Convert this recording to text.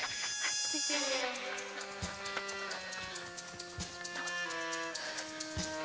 ⁉ちょっと！